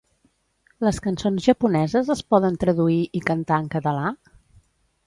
Les cançons japoneses es poden traduir i cantar en català?